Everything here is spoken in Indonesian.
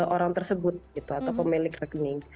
orang tersebut gitu atau pemilik rekening